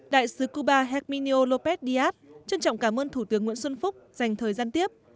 đại sứ cuba herminio lópez díaz trân trọng cảm ơn thủ tướng nguyễn xuân phúc dành thời gian tiếp